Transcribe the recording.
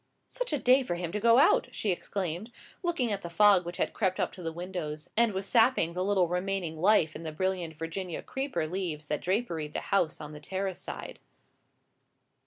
"Such a day for him to go out!" she exclaimed, looking at the fog which had crept up to the windows, and was sapping the little remaining life in the brilliant Virginian creeper leaves that draperied the house on the terrace side.